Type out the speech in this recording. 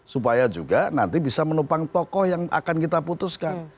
supaya juga nanti bisa menopang tokoh yang akan kita putuskan